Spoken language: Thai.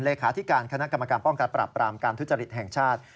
เลขาธิการคณะกรรมการป้องกันปรับปรามการทุจริตแห่งชาติ